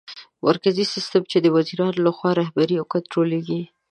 مرکزي سیستم : چي د وزیرانو لخوا رهبري او کنټرولېږي